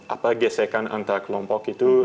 apa gesekan antar kelompok itu